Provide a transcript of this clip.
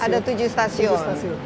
ada tujuh stasiun